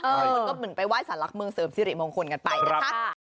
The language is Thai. คุณก็เหมือนไปไหว้สาหรักเมืองเสริมซิริมงคลกันไปนะครับ